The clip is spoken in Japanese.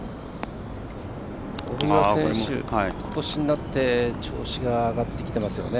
ことしになって調子が上がってきていますよね。